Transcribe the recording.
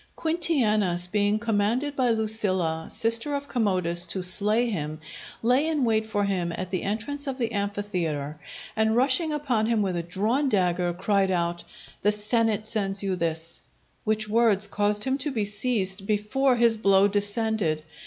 Quintianus being commanded by Lucilla, sister of Commodus, to slay him, lay in wait for him at the entrance of the amphitheatre, and rushing upon him with a drawn dagger, cried out, "The senate sends you this;" which words caused him to be seized before his blow descended.